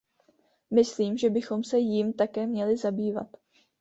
Myslím, že bychom se jím také měli zabývat.